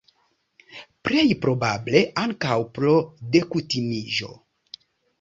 Plej probable, ankaŭ pro dekutimiĝo.